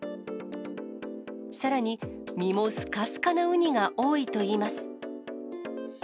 さらに、身もすかすかなウニが多いといいます。